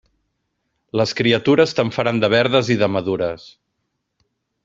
Les criatures te'n faran de verdes i de madures.